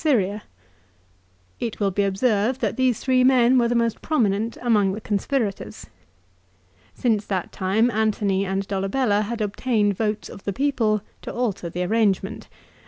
Syria. It will be observed that these three men were the most prominent among the conspirators. Since that time Antony and Dolabella had obtained votes of the people to alter the arrangement.